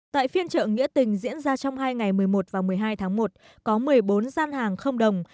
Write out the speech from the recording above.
tại phiên trợ nghĩa tình diễn ra trong hai ngày một mươi một và một mươi hai tháng một có một mươi bốn gian hàng không đồng